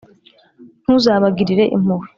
ntuzabagirire impuhwe.